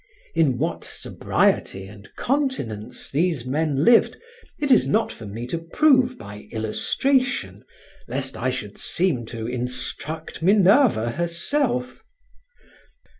In what sobriety and continence these men lived it is not for me to prove by illustration, lest I should seem to instruct Minerva herself.